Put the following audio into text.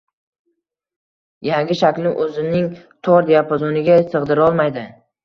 – yangi shaklni o‘zining tor diapazoniga sig‘dirolmaydi